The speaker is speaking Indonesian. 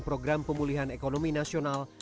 program pemulihan ekonomi nasional